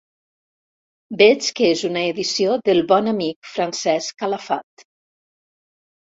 Veig que és una edició del bon amic Francesc Calafat.